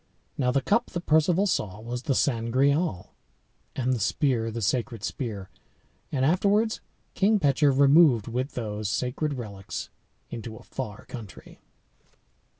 Now the cup that Perceval saw was the Sangreal, and the spear the sacred spear; and afterwards King Pecheur removed with those sacred relics into a far country.